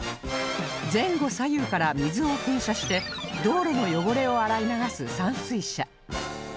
前後左右から水を噴射して道路の汚れを洗い流す散水車